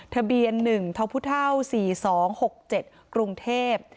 ทะเบียน๑ท้าวพุท่าว๔๒๖๗กรุงเทพฯ